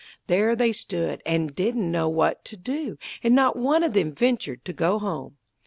There they stood and didn't know what to do, and not one of them ventured to go home.